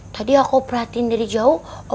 tadi aku perhatiin dari jauh